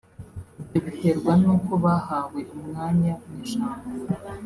Ibyo biterwa n’uko bahawe umwanya n’ijambo